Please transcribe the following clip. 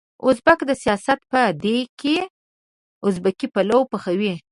ازبک د سياست په دېګ کې ازبکي پلو پخوي.